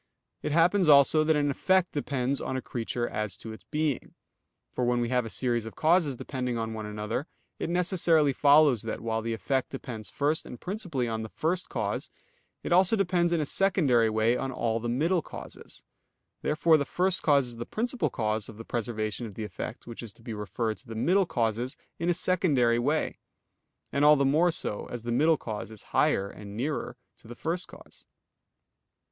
It happens also that an effect depends on a creature as to its being. For when we have a series of causes depending on one another, it necessarily follows that, while the effect depends first and principally on the first cause, it also depends in a secondary way on all the middle causes. Therefore the first cause is the principal cause of the preservation of the effect which is to be referred to the middle causes in a secondary way; and all the more so, as the middle cause is higher and nearer to the first cause.